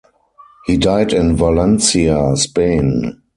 He died in Valencia, Spain.